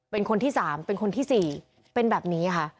เป็นคนที่๓เป็นคนที่๔เป็นแบบนี้ค่ะ